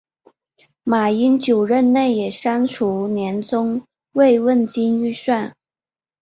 马英九任内也删除年终慰问金预算。